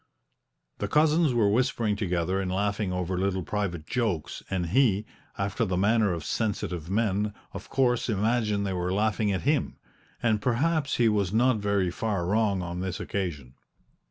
The cousins were whispering together and laughing over little private jokes, and he, after the manner of sensitive men, of course imagined they were laughing at him and perhaps he was not very far wrong on this occasion.